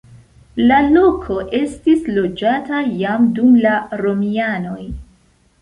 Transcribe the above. La loko estis loĝata jam dum la romianoj.